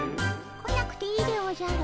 来なくていいでおじゃる。